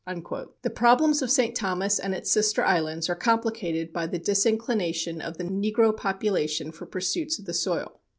The problems of St. Thomas and its sister islands are complicated by the disinclination of the negro population for pursuits of the soil.